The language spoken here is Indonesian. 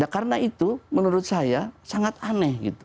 karena itu menurut saya sangat aneh